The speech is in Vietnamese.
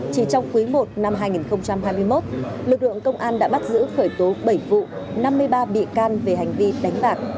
chỉ trong quý i năm hai nghìn hai mươi một lực lượng công an đã bắt giữ khởi tố bảy vụ năm mươi ba bị can về hành vi đánh bạc